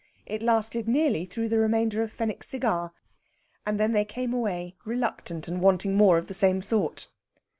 It lasted nearly through the remainder of Fenwick's cigar, and then they came away, reluctant, and wanting more of the same sort.